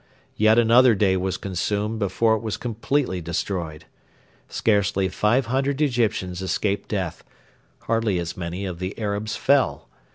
Yet another day was consumed before it was completely destroyed. Scarcely five hundred Egyptians escaped death; hardly as many of the Arabs fell.